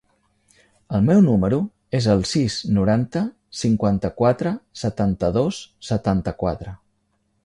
El meu número es el sis, noranta, cinquanta-quatre, setanta-dos, setanta-quatre.